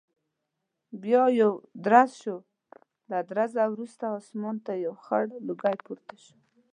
بیا یو درز شو، له درزه وروسته اسمان ته یو خړ لوګی پورته شو.